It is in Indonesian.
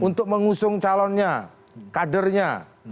untuk mengusung calonnya kadernya